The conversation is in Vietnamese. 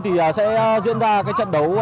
thì sẽ diễn ra trận đấu